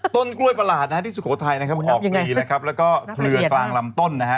ต้นกล้วยประหลาดที่สุโขทัยออกปลีแล้วก็เคลือกลางลำต้น